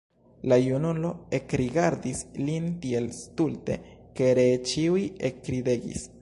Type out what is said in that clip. La junulo ekrigardis lin tiel stulte, ke ree ĉiuj ekridegis.